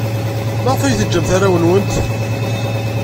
Maɣef ay teǧǧamt arraw-nwent?